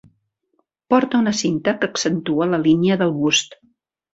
Porta una cinta que accentua la línia del bust.